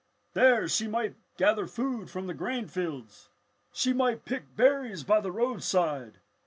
"There she might gather food from the grain fields. She might pick berries by the roadside.